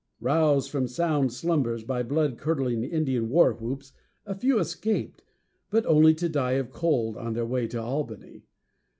Roused from sound slumbers by blood curdling Indian war whoops, a few escaped, but only to die of cold on their way to Albany.